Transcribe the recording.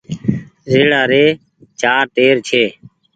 ريڙآ ري چآر ٽير ڇي۔